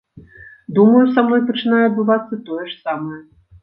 Думаю, са мной пачынае адбывацца тое ж самае.